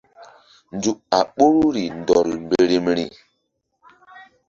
Nzuk a ɓoruri ndɔl mberemri.